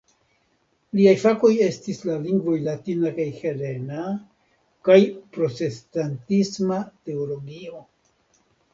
Liaj fakoj estis la lingvoj latina kaj helena kaj protestantisma teologio.